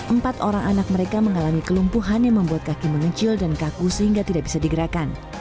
empat orang anak mereka mengalami kelumpuhan yang membuat kaki mengecil dan kaku sehingga tidak bisa digerakkan